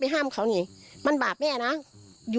มันบาดแม่นะอยู่ที่ใจเขามามาเคย